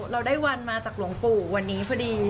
เราได้วันมาจากหลวงปู่วันนี้พอดี